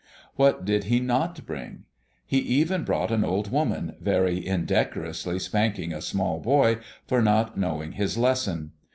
What did he not bring? He even brought an old woman very indecorously spanking a small boy for not knowing his lesson.